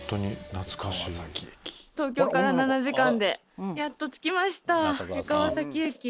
東京から７時間でやっと着きました江川崎駅。